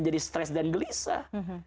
jadi stres dan gelisah